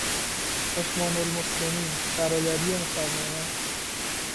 اخوان المسلمین، برادری مسلمانان